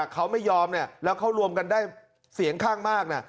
เขาไม่ยอมแล้วเขารวมกันได้เสียงข้างมาก